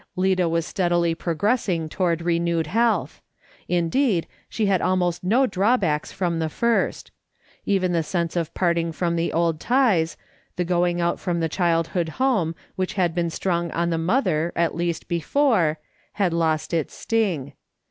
Lida was steadily progressing toward renewed health. Indeed, she had almost no draw backs from the first. Even the sense of parting from the old ties, the going out from the childhood home, which had been strong on the mother at least before, had lost its sting.